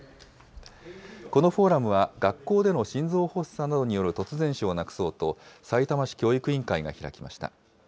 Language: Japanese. このフォーラムは、学校での心臓発作などによる突然死をなくそうと、さいたま市教育委員会が開きました。